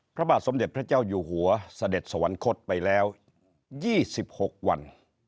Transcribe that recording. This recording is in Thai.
พระบาทสมเด็จพระเจ้าอยู่หัวเสด็จสวรรคตไปแล้ว๒๖วัน